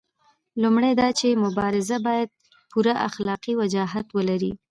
لومړی دا چې مبارزه باید پوره اخلاقي وجاهت ولري.